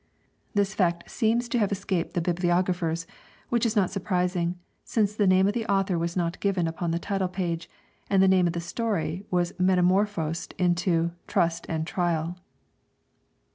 This fact seems to have escaped the bibliographers; which is not surprising, since the name of the author was not given upon the title page, and the name of the story was metamorphosed into 'Trust and Trial.'